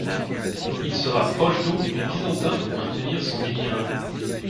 Il se rapproche donc des Byzantins pour maintenir son émirat.